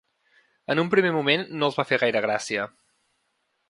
En un primer moment no els va fer gaire gràcia.